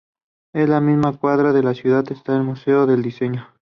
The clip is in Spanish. En la misma cuadra de la ciudad está el Museo del Diseño.